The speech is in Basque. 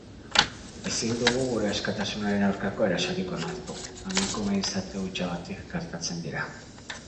Ezin dugu gure askatasunaren aurkako erasorik onartu, emakume izate hutsagatik gertatzen dira.